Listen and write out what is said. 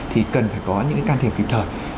thì cần phải có những can thiệp kịp thời